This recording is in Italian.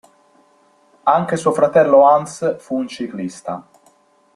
Anche suo fratello Hans fu un ciclista.